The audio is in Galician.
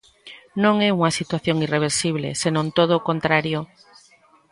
Non é unha situación irreversible, senón todo o contrario.